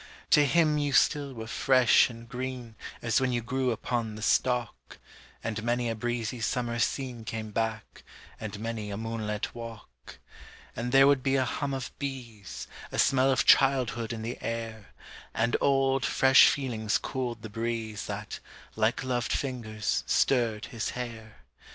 To him you still were fresh and green As when you grew upon the stalk, And many a breezy summer scene Came back and many a moonlit walk; And there would be a hum of bees, A smell of childhood in the air, And old, fresh feelings cooled the breeze That, like loved fingers, stirred his hair!